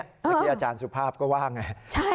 เมื่อกี้อาจารย์สุภาพก็ว่าไง